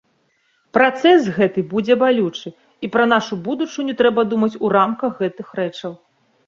Працэс гэты будзе балючы і пра нашу будучыню трэба думаць у рамках гэтых рэчаў.